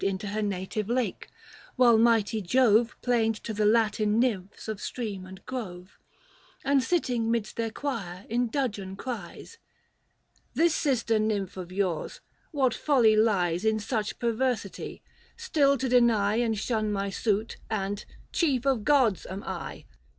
55 Into her native lake, whilst mighty Jove 'Plained to the Latin Nymphs of stream and grove ; And, sitting midst their choir, in dudgeon cries — 630 " This sister Nymph of yours — what folly lies In such perversity ; still to deny ' And shun my suit, and— chief of gods am I.